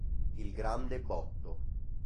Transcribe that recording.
Il grande botto